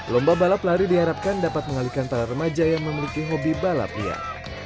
lomba balap lari diharapkan dapat mengalihkan para remaja yang memiliki hobi balap liar